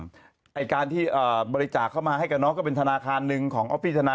ในการที่บริจาคเขาให้กับน้องก็เป็นธนาคารนึง